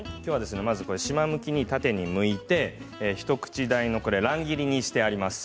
しまむきに縦にむいて一口大の乱切りにしてあります。